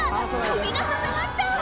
首が挟まった！